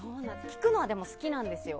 聞くのは好きなんですよ。